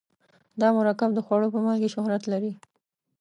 دا مرکب د خوړو په مالګې شهرت لري.